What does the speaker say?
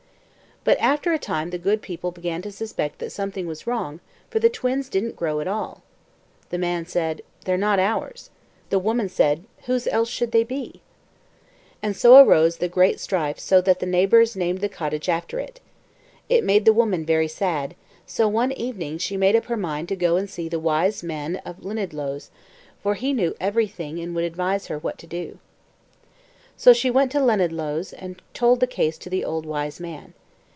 But after a time the good people began to suspect that something was wrong, for the twins didn't grow at all. The man said: "They're not ours." The woman said: "Whose else should they be?" And so arose the great strife so that the neighbours named the cottage after it. It made the woman very sad, so one evening she made up her mind to go and see the Wise Man of Llanidloes, for he knew everything and would advise her what to do. So she went to Llanidloes and told the case to the Wise Man.